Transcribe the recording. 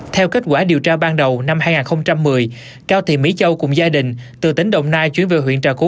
theo kết quả điều tra ban đầu năm hai nghìn một mươi cao thị mỹ châu cùng gia đình từ tỉnh đồng nai chuyển về huyện trà cú